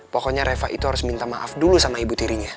pokoknya reva itu harus minta maaf dulu sama ibu tirinya